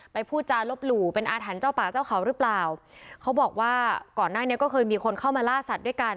พูดจารบหลู่เป็นอาถรรพ์เจ้าป่าเจ้าเขาหรือเปล่าเขาบอกว่าก่อนหน้านี้ก็เคยมีคนเข้ามาล่าสัตว์ด้วยกัน